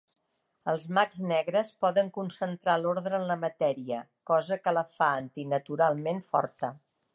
Els mags negres poden concentrar l'ordre en la matèria, cosa que la fa antinaturalment forta.